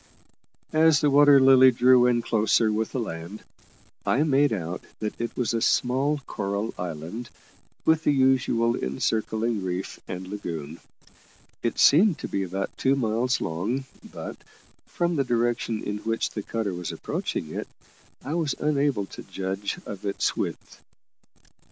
As the Water Lily drew in closer with the land, I made out that it was a small coral island, with the usual encircling reef and lagoon. It seemed to be about two miles long, but, from the direction in which the cutter was approaching it, I was unable to judge of its width.